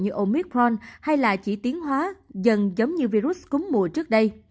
như omicron hay là chỉ tiến hóa dần giống như virus cúng mùa trước đây